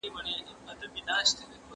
د جان صېب د غزل په تاثر کښې